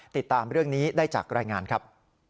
ติดตามเรื่องนี้ได้จากรายงานครับ